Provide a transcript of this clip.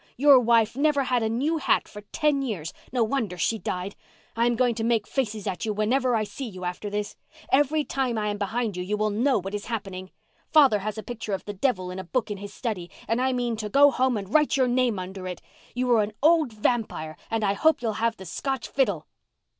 Your wife never had a new hat for ten years—no wonder she died. I am going to make faces at you whenever I see you after this. Every time I am behind you you will know what is happening. Father has a picture of the devil in a book in his study, and I mean to go home and write your name under it. You are an old vampire and I hope you'll have the Scotch fiddle!"